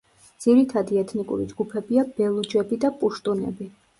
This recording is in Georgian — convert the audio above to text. ძირითადი ეთნიკური ჯგუფებია ბელუჯები და პუშტუნები.